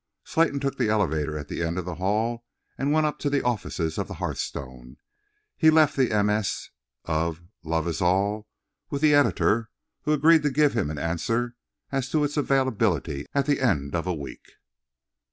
Slayton took the elevator at the end of the hall and went up to the offices of the Hearthstone. He left the MS. of "Love Is All" with the editor, who agreed to give him an answer as to its availability at the end of a week.